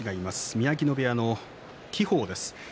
宮城野部屋の輝鵬です。